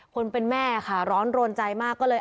คนเป็นแม่ค่ะร้อนโรนใจมากก็เลย